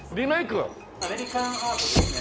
アメリカンアートですね。